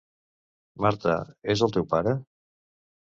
Marta, és el teu pare!